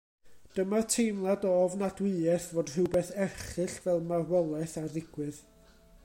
Dyma'r teimlad o ofnadwyaeth fod rhywbeth erchyll fel marwolaeth ar ddigwydd.